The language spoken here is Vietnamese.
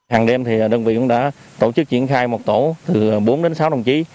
hàng đêm thì đơn vị cũng đã tổ chức triển khai một tổ từ bốn đến sáu đồng chí